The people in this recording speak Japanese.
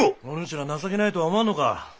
お主ら情けないとは思わんのか？